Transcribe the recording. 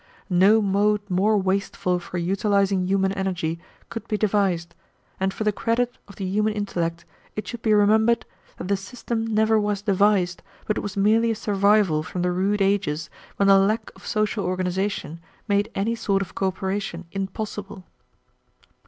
"No mode more wasteful for utilizing human energy could be devised, and for the credit of the human intellect it should be remembered that the system never was devised, but was merely a survival from the rude ages when the lack of social organization made any sort of cooperation impossible."